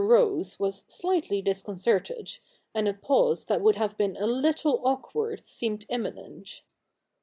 Rose was slightly disconcerted, and a pause that would have been a little awkward seemed imminent.